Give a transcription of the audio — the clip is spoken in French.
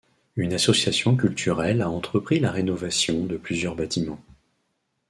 Une association culturelle a entrepris la rénovation de plusieurs bâtiments.